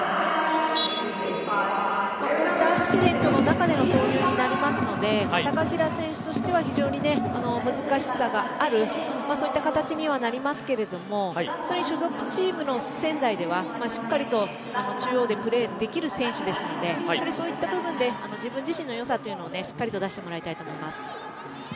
中での投入になるので高平選手としては非常に難しさがあるそういった形にはなりますが所属チームの仙台ではしっかりと中央でプレーできる選手ですのでそういった部分で自分自身の良さをしっかりと出してもらいたいと思います。